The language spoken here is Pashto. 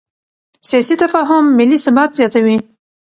سیاسي تفاهم ملي ثبات زیاتوي